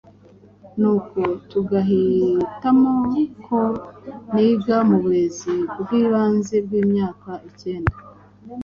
nuko tugahitamo ko niga mu Burezi bw’Ibanze bw’Imyaka Ikenda!